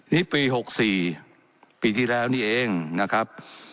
นี่ปี๖๔ปีที่แล้วนี่เองนะครับ